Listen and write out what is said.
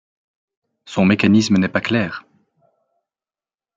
Son mécanisme n'est pas clair.